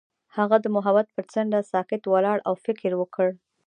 هغه د محبت پر څنډه ساکت ولاړ او فکر وکړ.